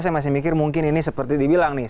saya masih mikir mungkin ini seperti dibilang nih